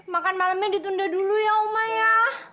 makan malamnya ditunda dulu ya oma ya